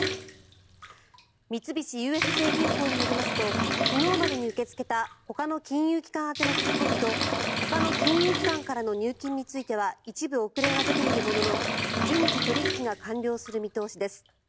三菱ＵＦＪ銀行によりますと昨日までに受け付けたほかの金融機関宛ての振り込みとほかの金融機関からの入金については一部遅れが出ているものの順次、取引が完了する見通しです。